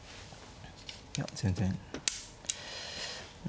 いや全然。